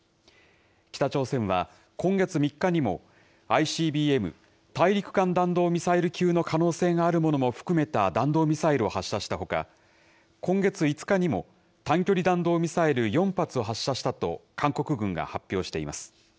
北朝鮮は、今月３日にもＩＣＢＭ・大陸間弾道ミサイル級の可能性があるものも含めた弾道ミサイルを発射したほか、今月５日にも、短距離弾道ミサイル４発を発射したと、韓国軍が発表しています。